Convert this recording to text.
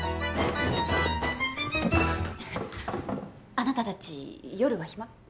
あなたたち夜は暇？